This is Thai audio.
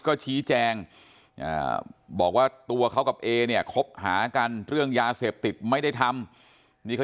ก็ชี้แจงบอกว่าตัวเขากับเอเนี่ยคบหากันเรื่องยาเสพติดไม่ได้ทำ